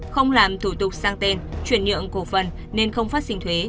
không làm thủ tục sang tên chuyển nhượng cổ phần nên không phát sinh thuế